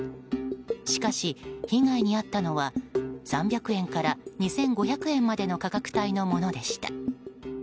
しかし、被害に遭ったのは３００円から２５００円までの価格帯のものでした。